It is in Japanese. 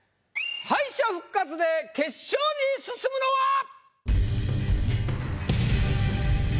敗者復活で決勝に進むのは！